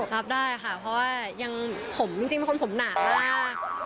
รับได้ค่ะเพราะว่ายังผมจริงเป็นคนผมหนามาก